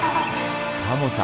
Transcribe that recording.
タモさん